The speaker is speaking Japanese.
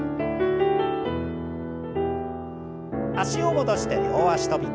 脚を戻して両脚跳び。